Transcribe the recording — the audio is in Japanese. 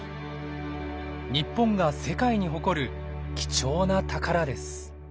日本が世界に誇る貴重な宝です。